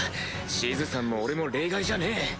シズさんも俺も例外じゃねえ。